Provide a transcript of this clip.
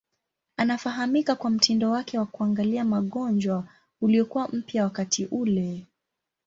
Anafahamika kwa mtindo wake wa kuangalia magonjwa uliokuwa mpya wakati ule.